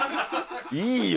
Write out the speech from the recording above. いいよ。